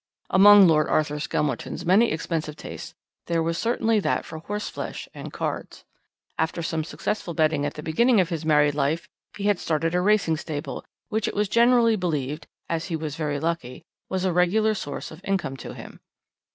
"Among Lord Arthur Skelmerton's many expensive tastes there was certainly that for horseflesh and cards. After some successful betting at the beginning of his married life, he had started a racing stable which it was generally believed as he was very lucky was a regular source of income to him.